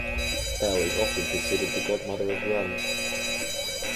Bell is often considered the "Godmother of Grunge".